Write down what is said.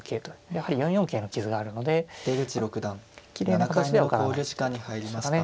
やはり４四桂の傷があるのできれいな形では受からない手ということですかね。